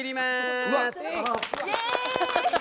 イエイ。